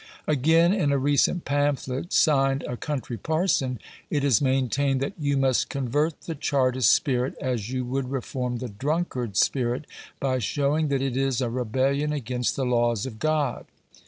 Again, in a recent pamphlet, signed " A Country Parson," it is maintained, that "you must convert the Chartist spirit as you would reform the drunkard's spirit, by showing that it is a rebellion against the laws of God."